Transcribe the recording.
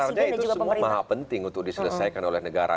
sebenarnya itu semua maha penting untuk diselesaikan oleh negara